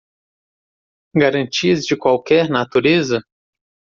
Garantias de qualquer natureza?